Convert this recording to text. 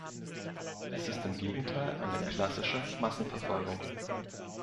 Es ist im Gegenteil eine klassische Massenverfolgung.